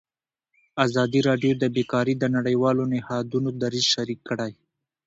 ازادي راډیو د بیکاري د نړیوالو نهادونو دریځ شریک کړی.